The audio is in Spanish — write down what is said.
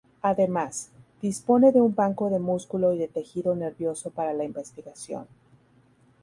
Además, dispone de un banco de músculo y de tejido nervioso para la investigación.